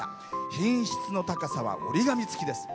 品質の高さは折り紙付きです。